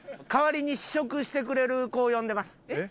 代わりに試食してくれる子を呼んでます。